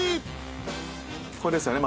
ここですよね